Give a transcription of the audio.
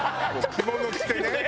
着物着てね。